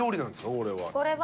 これは。